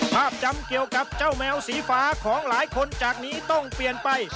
ภาพจำเกี่ยวกับเจ้าแมวสีฟ้าของหลายคนจากนี้ต้องเปลี่ยนไป